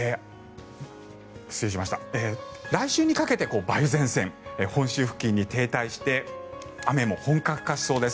来週にかけて梅雨前線が本州付近に停滞して雨も本格化しそうです。